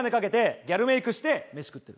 ギャルメークしてメシ食ってる。